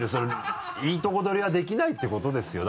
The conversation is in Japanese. いいとこ取りはできないっていうことですよ。